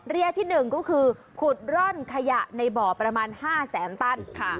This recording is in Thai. ที่๑ก็คือขุดร่อนขยะในบ่อประมาณ๕แสนตัน